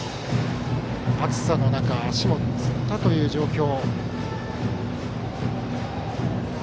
暑さの中、足もつったという状況。